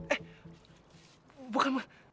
eh bukan lo